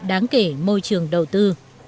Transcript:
đáng kể môi trường đầu tư